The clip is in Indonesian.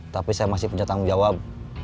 tapi saya masih punya tanggung jawab